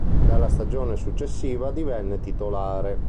Dalla stagione successiva divenne titolare.